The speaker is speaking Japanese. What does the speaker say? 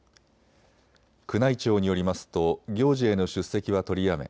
宮内庁によりますと行事への出席は取りやめ